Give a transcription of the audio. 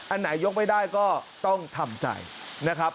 อันไหนยกไม่ได้ก็ต้องทำใจนะครับ